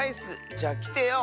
じゃきてよ。